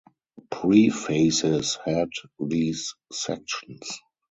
Prefaces head these sections.